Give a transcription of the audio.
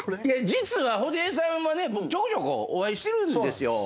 実は布袋さんはねちょこちょこお会いしてるんですよ。